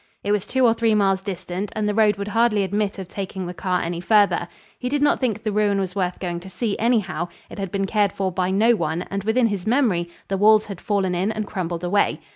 It was two or three miles distant and the road would hardly admit of taking the car any farther. He did not think the ruin was worth going to see, anyhow; it had been cared for by no one and within his memory the walls had fallen in and crumbled away.